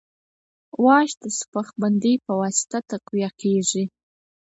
واش د سیخ بندۍ په واسطه تقویه کیږي